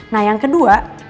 nah yang kedua